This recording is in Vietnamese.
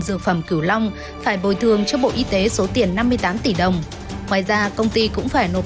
dược phẩm cửu long phải bồi thường cho bộ y tế số tiền năm mươi tám tỷ đồng ngoài ra công ty cũng phải nộp